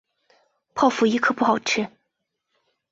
泡芙一颗不好吃